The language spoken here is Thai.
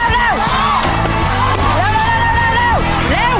เยี่ยม